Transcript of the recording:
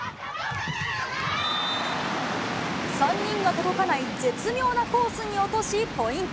３人が届かない絶妙なコースに落とし、ポイント。